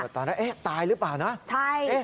ตอนนั้นตายหรือเปล่านะใช่